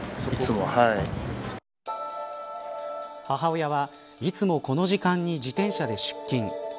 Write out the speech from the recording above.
母親はいつもこの時間に自転車で出勤。